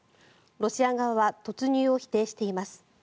ロシア側は突入を否定しています。